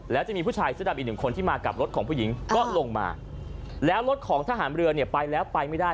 แล้วจะมีผู้ชายเสื้อดำอีกหนึ่งคนที่มากับรถของผู้หญิงก็ลงมาแล้วรถของทหารเรือเนี่ยไปแล้วไปไม่ได้